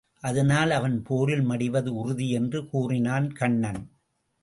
அதனால் அவன் போரில் மடிவது உறுதி என்று கூறினான் கண்ணன்.